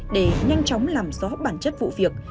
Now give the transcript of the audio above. để nhanh chóng làm rõ bản chất vụ việc